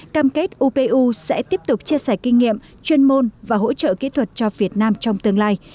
cam kết upu sẽ tiếp tục chia sẻ kinh nghiệm chuyên môn và hỗ trợ kỹ thuật cho việt nam trong tương lai